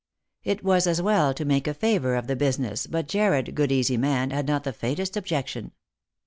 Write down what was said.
It was as well to make a favour of the business, but Jarred, good easy man, had not the faintest objection.